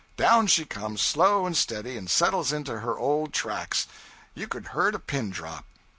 Down she comes, slow and steady, and settles into her old tracks. You could a heard a pin drop.